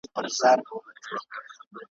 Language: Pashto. د ټانګې آس بل خواته نه ګوري ,